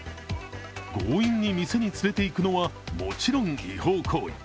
強引に店に連れて行くのはもちろん違法行為。